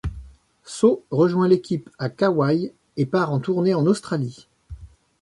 Sau rejoint l'équipe à Qauai et part en tournée en Australie.